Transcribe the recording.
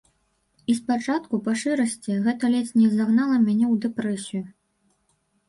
І спачатку, па шчырасці, гэта ледзь не загнала мяне ў дэпрэсію.